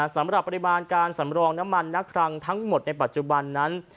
สำหรับปริมาณการสำรองน้ำมันนักคลังทั้งหมดในปัจจุบันนั้น